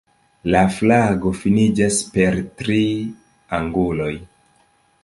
La flago finiĝas per tri anguloj.